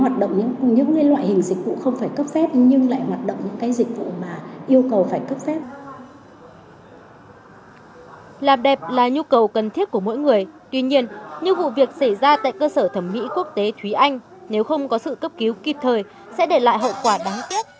tuy nhiên như vụ việc xảy ra tại cơ sở thẩm mỹ quốc tế thúy anh nếu không có sự cấp cứu kịp thời sẽ để lại hậu quả đáng tiếc